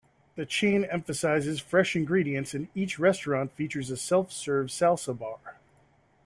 The chain emphasizes fresh ingredients, and each restaurant features a self-serve salsa bar.